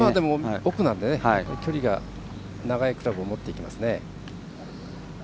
奥なので距離が長いクラブを持っていきますね。